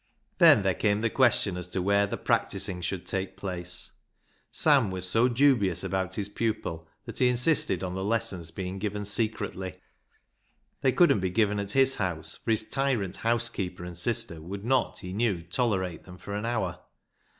Then there came the question as to where the practising should take place. Sam was so 248 BECKSIDE LIGHTS dubious about his pupil that he insisted on the lessons being given secretly. They couldn't be given at his house, for his tyrant housekeeper and sister would not, he knew, tolerate them for an hour.